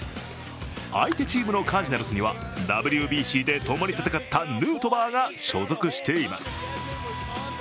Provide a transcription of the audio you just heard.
相手チームのカージナルスにはＷＢＣでともに戦ったヌートバーが所属しています。